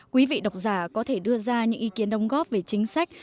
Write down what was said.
quý vị đọc giả có thể đưa ra những ý kiến đồng góp về chính sách